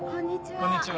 こんにちは。